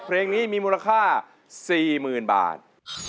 เพลงนี้มีมูลค่า๔๐๐๐บาท